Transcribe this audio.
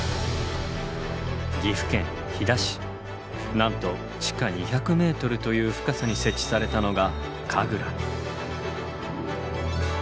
なんと地下２００ｍという深さに設置されたのがＫＡＧＲＡ。